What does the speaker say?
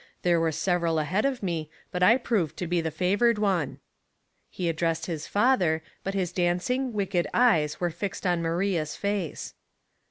There were several ahead of me, but I proved to be the fa vored one." He addressed his father, but his dancing, wicked eyes were fixed on Maria's face.